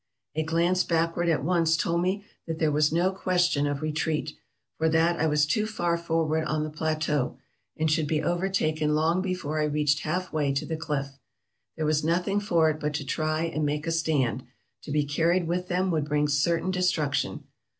"A glance backward at once told me that there was no question of retreat; for that I was too far forward on the plateau, and should be overtaken long before I reached half way to the cliff. There was nothing for it but to try and make a stand; to be carried with them would bring certain destruction.